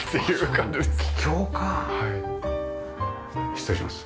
失礼します。